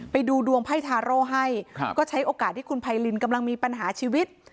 ไปดูดวงไพ่ทาโร่ให้ก็ใช้โอกาสที่คุณไพรินกำลังมีปัญหาชีวิต